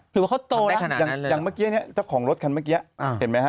หรือว่าเขาโตนะอย่างเมื่อกี้เนี่ยเจ้าของรถคันเมื่อกี้เห็นไหมฮะ